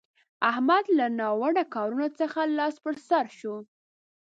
احمد له ناوړه کارونه څخه لاس پر سو شو.